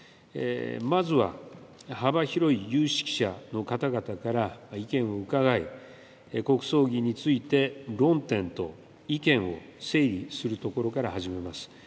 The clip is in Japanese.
まずは、幅広い有識者の方々から意見を伺い、国葬儀について、論点と意見を整理するところから始めます。